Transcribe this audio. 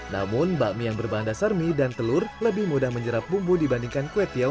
namun bakmi yang berbahan dasar mie dan telur lebih mudah menyerap bumbu dibandingkan kue tiaw